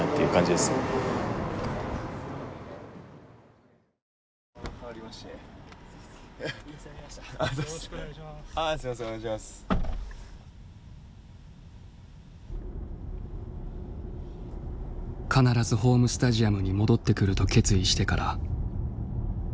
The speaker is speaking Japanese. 必ずホームスタジアムに戻ってくると決意してから１０か月がたった。